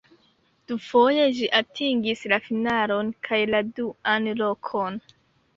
Dufoje ĝi atingis la finalon kaj la duan lokon.